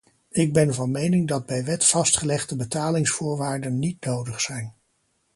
Ik ben van mening dat bij wet vastgelegde betalingsvoorwaarden niet nodig zijn.